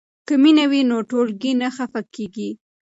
که مینه وي نو ټولګی نه خفه کیږي.